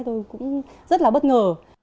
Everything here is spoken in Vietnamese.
tôi cũng rất là bất ngờ